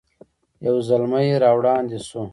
یو زلمی را وړاندې شو.